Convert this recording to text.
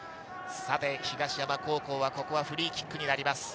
東山高校はここはフリーキックになります。